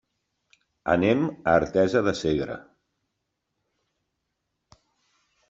Anem a Artesa de Segre.